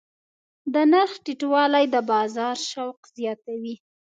د نرخ ټیټوالی د بازار شوق زیاتوي.